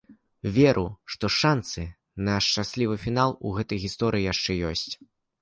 Веру, што шанцы на шчаслівы фінал у гэтай гісторыі яшчэ ёсць.